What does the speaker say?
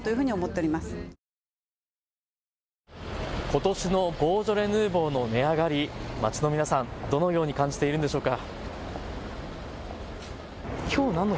ことしのボージョレ・ヌーボーの値上がり、街の皆さん、どのように感じているんでしょうか。